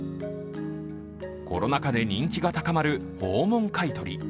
コロナ禍で人気が高まる訪問買い取り。